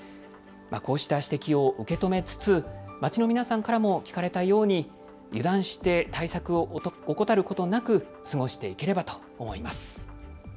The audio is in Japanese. こうした指摘を受け止めつつ街の皆さんからも聞かれたように油断して対策を怠ることなく過ごしていければと思います。